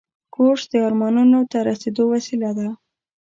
کورس د ارمانونو ته رسیدو وسیله ده.